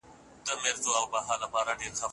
بدن د چټکې انرژۍ لپاره ګلایکوجن ساتي.